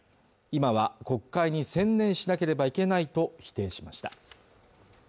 今は国会に専念しなければいけないと否定しました